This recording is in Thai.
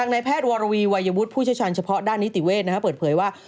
ในแพทย์วรวีวัยวุฒิผู้เชี่ยวชาญเฉพาะด้านนิติเวศเปิดเผยว่า